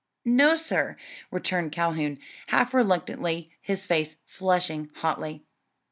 ] "No, sir," returned Calhoun half reluctantly, his face flushing hotly.